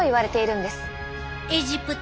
エジプト